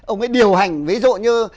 ông ấy điều hành ví dụ như